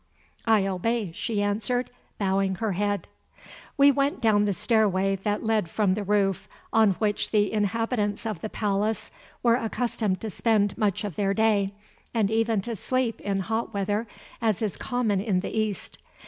"I obey," she answered, bowing her head. We went down the stairway that led from the roof on which the inhabitants of the palace were accustomed to spend much of their day, and even to sleep in hot weather, as is common in the East.